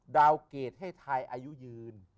ดาวเกรดให้ไทยอายุยืน